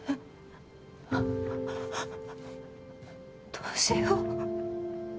どうしよう。